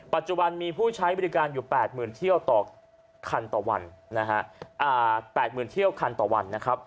ปัจจุบันมีผู้ใช้บริการอยู่แปดหมื่นเที่ยวต่อคันต่อวันนะฮะ